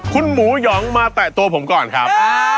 คุณหมูหยองมาแตะตัวผมก่อนครับ